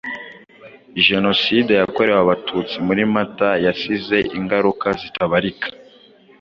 Jenoside Yakorewe Abatutsi muri Mata yasize ingaruka zitabarika.